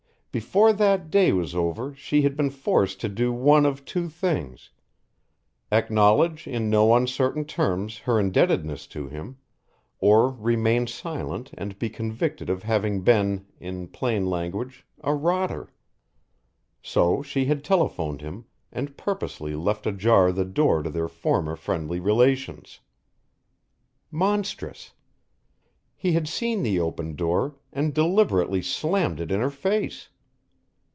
Before that day was over she had been forced to do one of two things acknowledge in no uncertain terms her indebtedness to him, or remain silent and be convicted of having been, in plain language, a rotter. So she had telephoned him and purposely left ajar the door to their former friendly relations. Monstrous! He had seen the open door and deliberately slammed it in her face.